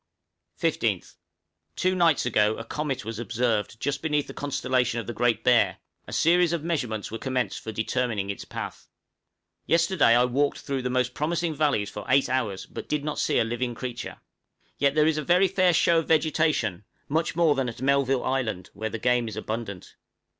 15th. Two nights ago a comet was observed just beneath the constellation of the Great Bear; a series of measurements were commenced for determining its path. Yesterday I walked through the most promising valleys for eight hours, but did not see a living creature; yet there is a very fair show of vegetation, much more than at Melville Island, where the game is abundant.